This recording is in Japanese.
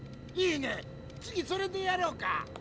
いいね次それでやろうか。